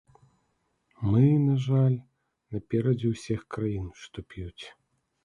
Мы, на жаль, наперадзе ўсіх краін, што п'юць.